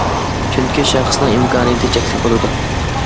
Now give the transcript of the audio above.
چۈنكى شەخسىنىڭ ئىمكانىيىتى چەكلىك بولىدۇ.